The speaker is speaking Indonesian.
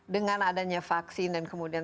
dengan adanya vaksin dan kemudian